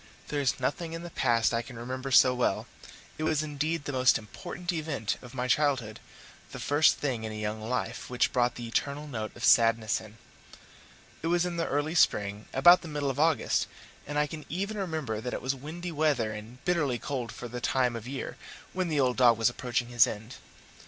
There is nothing in the past I can remember so well: it was indeed the most important event of my childhood the first thing in a young life which brought the eternal note of sadness in. It was in the early spring, about the middle of August, and I can even remember that it was windy weather and bitterly cold for the time of year, when the old dog was approaching his end.